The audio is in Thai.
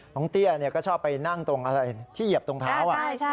เตี้ยก็ชอบไปนั่งตรงอะไรที่เหยียบตรงเท้า